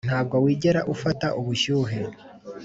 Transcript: ntabwo wigera ufata ubushyuhe